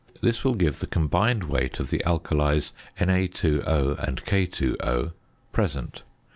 This will give the combined weight of the alkalies (Na_O and K_O) present.